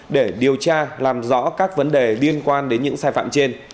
để điều tra làm rõ các vấn đề liên quan đến những sai phạm trên